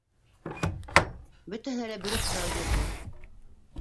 Бөтәһенә лә бер үк һорауҙы бирҙе: